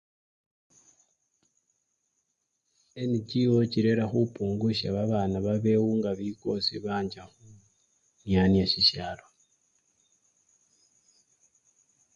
NGO chirera khupungusya babana babewunga bikosi bancha khunyanya sisyalo.